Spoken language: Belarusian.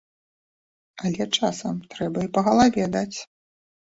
Але часам трэба і па галаве даць.